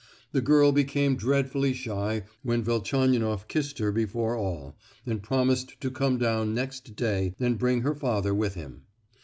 The girl became dreadfully shy when Velchaninoff kissed her before all, and promised to come down next day and bring her father with him.